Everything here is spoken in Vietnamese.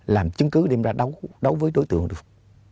làm chứng cứ để mà đấu với đối tượng được